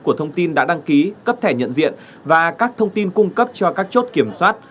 của thông tin đã đăng ký cấp thẻ nhận diện và các thông tin cung cấp cho các chốt kiểm soát